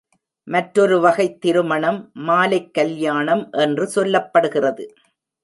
மற்றொரு வகைத் திருமணம் மாலைக் கல்யாணம் என்று சொல்லப்படுகிறது.